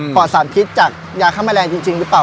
อดสารพิษจากยาฆ่าแมลงจริงหรือเปล่า